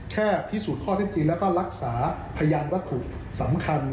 แค่พิสูจน์ข้อเท็จจริงแล้วก็รักษาพยานวัตถุสำคัญ